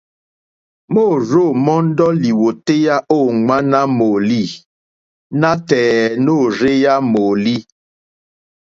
Môrzô mɔ́ɔ́ndɔ̀ lìwòtéyá ô ŋwáɲá mòòlî nátɛ̀ɛ̀ nôrzéyá mòòlí.